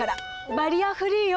バリアフリーよ。